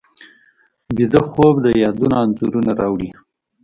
ویده خوب د یادونو انځورونه راوړي